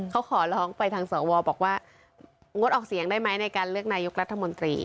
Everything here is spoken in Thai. เขาขอร้องไปทางสวบอกว่างดออกเสียงได้ไหมในการเลือกนายกรัฐมนตรี